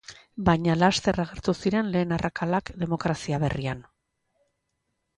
Baina laster agertu ziren lehen arrakalak demokrazia berrian.